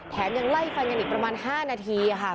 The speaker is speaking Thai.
ยังไล่ฟันกันอีกประมาณ๕นาทีค่ะ